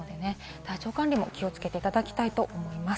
体調管理も気をつけていただきたいと思います。